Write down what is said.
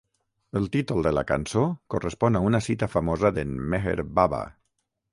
El títol de la cançó correspon a una cita famosa de"n Meher Baba.